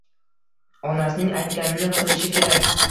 Onasining aytganini qilishi kerak